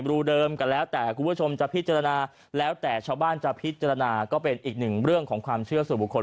รูเดิมก็แล้วแต่คุณผู้ชมจะพิจารณาแล้วแต่ชาวบ้านจะพิจารณาก็เป็นอีกหนึ่งเรื่องของความเชื่อสู่บุคคล